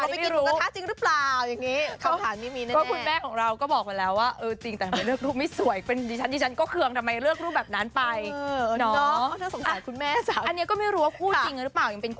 ถูกต้องมีการเตรียมกันหรือเปล่าต้องไปกินปรุงกระทะจริงหรือเปล่าอย่างนี้คำถามมิมิแน่